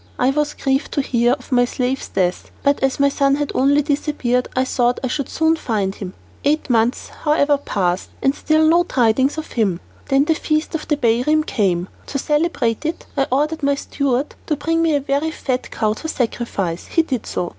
I was grieved to hear of my slave's death, but as my son had only disappeared, I thought I should soon find him. Eight months, however, passed, and still no tidings of him; then the feast of Bairam came. To celebrate it I ordered my steward to bring me a very fat cow to sacrifice. He did so.